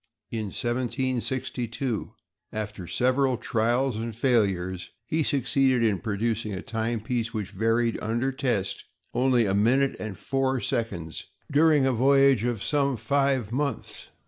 In 1762, after several trials and failures, he succeeded in producing a timepiece which varied, under test, only a minute and four seconds during a voyage of some five months.